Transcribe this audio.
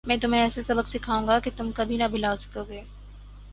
میں تمہیں ایسا سبق سکھاؤں گا کہ تم کبھی نہ بھلا سکو گے